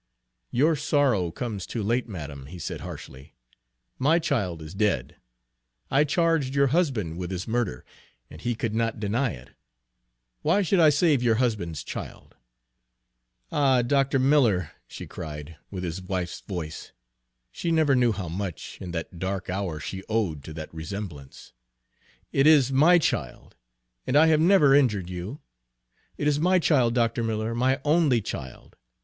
"Your sorrow comes too late, madam," he said harshly. "My child is dead. I charged your husband with his murder, and he could not deny it. Why should I save your husband's child?" "Ah, Dr. Miller!" she cried, with his wife's voice, she never knew how much, in that dark hour, she owed to that resemblance "it is my child, and I have never injured you. It is my child, Dr. Miller, my only child.